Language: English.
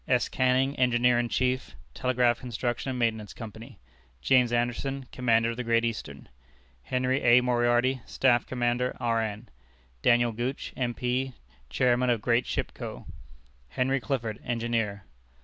S. Canning, Engineer in Chief, Telegraph Construction and Maintenance Company. James Anderson, Commander of the Great Eastern. Henry A. Moriarty, Staff Commander, R. N. Daniel Gooch, M.P., Chairman of "Great Ship Co." Henry Clifford, Engineer.